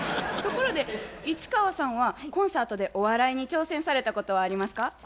ところで市川さんはコンサートでお笑いに挑戦されたことはありますか？